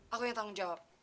aku yang tanggung jawab